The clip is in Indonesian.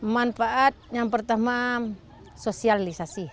manfaat yang pertama sosialisasi